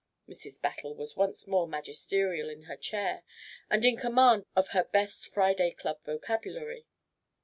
Mrs. Battle was once more magisterial in her chair, and in command of her best Friday Club vocabulary.